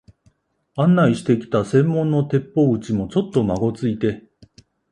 案内してきた専門の鉄砲打ちも、ちょっとまごついて、